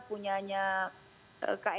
punyanya kek tanjung merauke